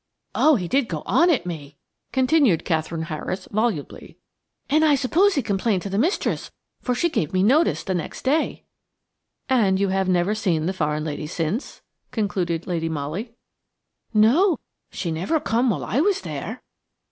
Oh, he did go on at me!" continued Katherine Harris, volubly. "And I suppose he complained to the mistress, for she give me notice the next day." "And you have never seen the foreign lady since?" concluded Lady Molly. "No; she never come while I was there."